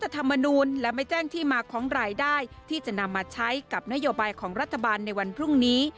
ธรรมนูลและไม่แจ้งที่มาของรายได้ที่จะนำมาใช้กับนโยบายของรัฐบาลในวันพรุ่งนี้